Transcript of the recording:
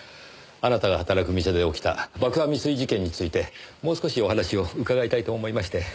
あなたが働く店で起きた爆破未遂事件についてもう少しお話を伺いたいと思いまして。